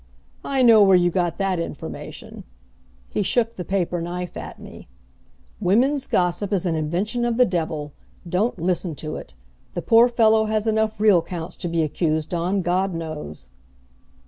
"I know where you got that information." He shook the paper knife at me. "Women's gossip is an invention of the devil! Don't listen to it! The poor fellow has enough real counts to be accused on, God knows!"